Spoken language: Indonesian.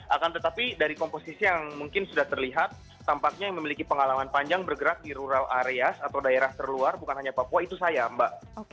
akan tetapi dari komposisi yang mungkin sudah terlihat tampaknya yang memiliki pengalaman panjang bergerak di rural areas atau daerah terluar bukan hanya papua itu saya mbak